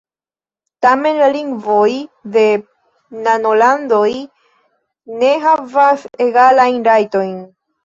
Tamen la lingvoj de nanolandoj ne havas egalajn rajtojn.